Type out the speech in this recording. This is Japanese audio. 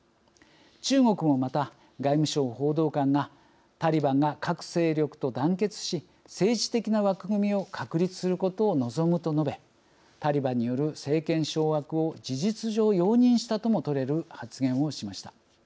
中国もまた外務省報道官が「タリバンが各勢力と団結し政治的な枠組みを確立することを望む」と述べタリバンによる政権掌握を事実上容認したともとれる発言をしました。